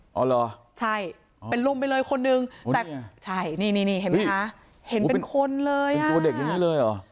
อ๋อเหรอใช่เป็นลมไปเลยคนนึงแต่ใช่นี่นี่เห็นไหมคะเห็นเป็นคนเลยเป็นตัวเด็กอย่างนี้เลยเหรอ